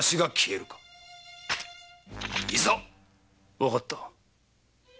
わかった。